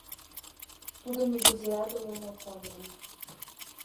— Тудым нигузеат ойлен от савыре.